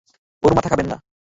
ওর মাথা খাবেন না।